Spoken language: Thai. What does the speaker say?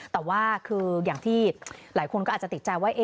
แต่ว่าคืออย่างที่หลายคนก็อาจจะติดใจว่า